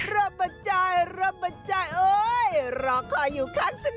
ระบัดใจระบัดใจโอ๊ยรอคอยอยู่ข้างใน